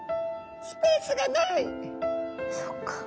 そっか。